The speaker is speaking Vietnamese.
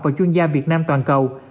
và chuyên gia việt nam toàn cầu